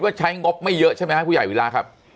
มากมายงบไม่เยอะป้ายให้ผู้ใหญ่เวลาครับ